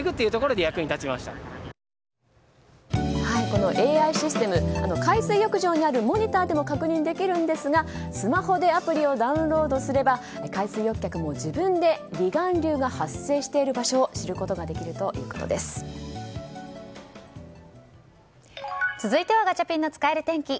このＡＩシステム海水浴場にあるモニターでも確認できるんですがスマホでアプリをダウンロードすれば海水浴客も自分で離岸流が発生している場所を続いてはガチャピンの使える天気。